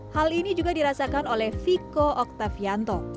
hal ini juga dirasakan oleh vico octavianto